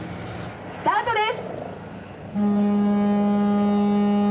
スタートです。